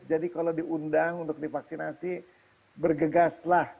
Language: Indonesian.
jadi kalau diundang untuk divaksinasi bergegaslah